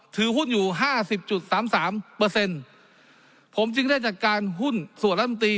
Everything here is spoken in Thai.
ถือหุ้นอยู่ห้าสิบจุดสามสามเปอร์เซ็นต์ผมจึงได้จัดการหุ้นส่วนรัฐมนตรี